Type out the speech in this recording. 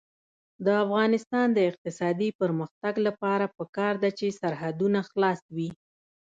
د افغانستان د اقتصادي پرمختګ لپاره پکار ده چې سرحدونه خلاص وي.